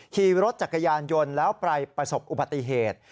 ขี่รถจักรยานยนต์แล้วไปประสบอุบัติเหตุ